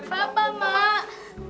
mak bapak mak